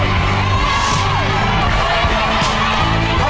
เอาล่ะลูก